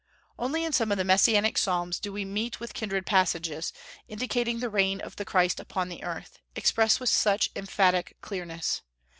Only in some of the Messianic Psalms do we meet with kindred passages, indicating the reign of the Christ upon the earth, expressed with such emphatic clearness.